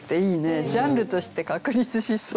ジャンルとして確立しそう。